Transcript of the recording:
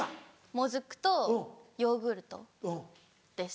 もずくとヨーグルトです。